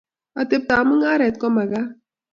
Ateptab mung'aret komakat